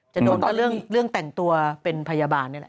จะโดนก็เรื่องแต่งตัวเป็นพยาบาลนี่แหละ